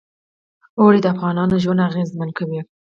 اوړي د افغانانو ژوند اغېزمن کوي.